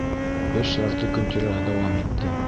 Эш ярты көн тирәһе дауам итте.